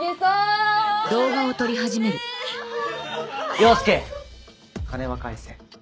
陽介金は返せ。